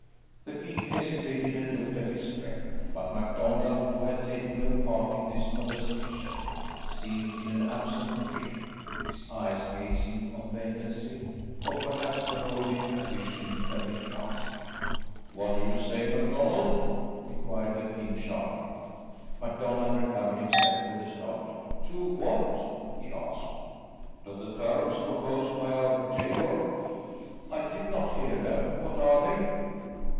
The king hesitated and looked at his friend, but MacDonald, who had taken no part in this conversation, seemed in an absent dream, his eyes gazing on vacancy, or perhaps beholding a vision that entranced him. "What do you say, MacDonald?" enquired the king sharply. MacDonald recovered himself with a start. "To what?" he asked. "To the terms proposed by our gaoler." "I did not hear them; what are they?"